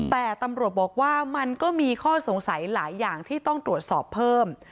แต่ตำรวจบอกว่ามันก็มีข้อสงสัยหลายอย่างที่ต้องตรวจสอบเพิ่ม